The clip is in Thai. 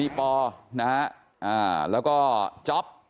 มีปนะฮะแล้วก็จ๊อป